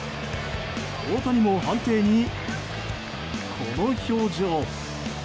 大谷も、判定にこの表情。